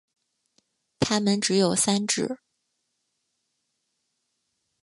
它们只有三趾。